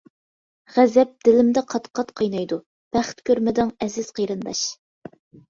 غەزەپ دىلىمدا قات-قات قاينايدۇ، بەخت كۆرمىدىڭ ئەزىز قېرىنداش.